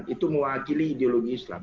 itu mewakili ideologi islam